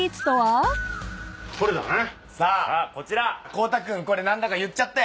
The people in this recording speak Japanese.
広太君これ何だか言っちゃって。